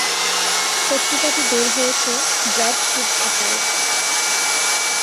পত্রিকাটি বের হয়েছে "ব্রড শিট" আকারে।